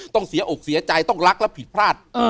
ต้องเสียอกเสียใจต้องรักและผิดพลาด